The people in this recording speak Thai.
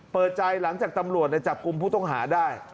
เปิดใจหลังจากตำรวจจับกลุ่มผู้ต้องหาได้